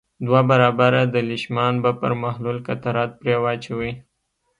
دوه برابره د لیشمان بفر محلول قطرات پرې واچوئ.